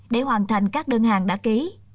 để hoàn thành các đơn hàng đã ký